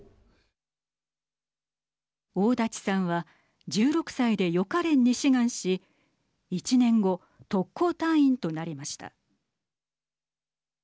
大舘さんは１６歳で予科練に志願し１年後、特攻隊員となりました。